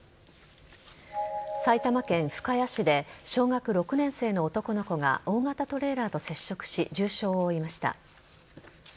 埼玉県深谷市で小学６年生の男の子が大型トレーラーと接触し重傷を負いました。